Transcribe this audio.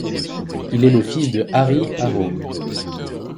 Il est le fils de Harri Aho.